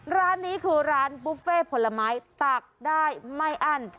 ร้านนี้คือร้านบุฟเฟ่ผลไม้ตักได้ไม่อั้น